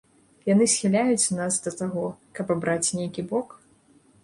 Яны схіляюць нас да таго, каб абраць нейкі бок?